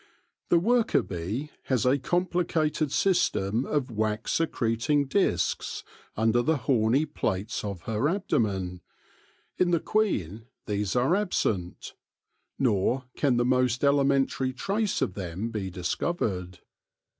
The worker bee has a complicated system of wax secreting discs under the horny plates of her abdomen : in the queen these are absent, nor can the most elementary trace of them be discovered.